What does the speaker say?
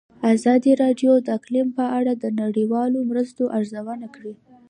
ازادي راډیو د اقلیم په اړه د نړیوالو مرستو ارزونه کړې.